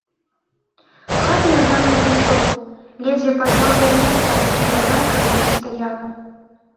Хаты ён там не знайшоў, ледзьве пазнаў тое месца, дзе яна калісьці стаяла.